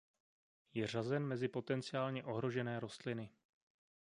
Je řazen mezi potenciálně ohrožené rostliny.